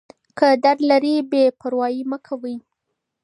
که درد لرئ بې پروايي مه کوئ.